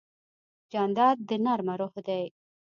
جانداد د نرمه روح لري.